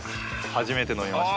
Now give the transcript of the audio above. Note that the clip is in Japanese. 初めて飲みました。